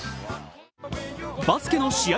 バスケの試合